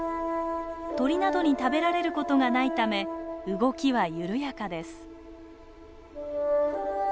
鳥などに食べられる事がないため動きは緩やかです。